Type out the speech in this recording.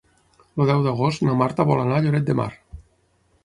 El deu d'agost na Marta vol anar a Lloret de Mar.